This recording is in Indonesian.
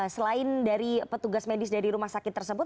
selain dari petugas medis dari rumah sakit tersebut